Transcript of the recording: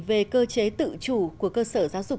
về cơ chế tự chủ của cơ sở giáo dục